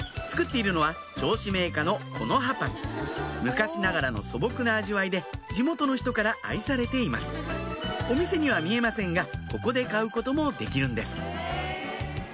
作っているのは銚子銘菓の「木の葉パン」昔ながらの素朴な味わいで地元の人から愛されていますお店には見えませんがここで買うこともできるんです